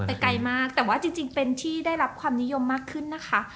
แต่ไกลมากแต่ว่าจริงเป็นที่ได้รับความนิยมมากขึ้นนะคะ